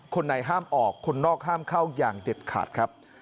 คนในห้ามออกคนนอกห้ามเข้าอย่างเด็ดขาดครับ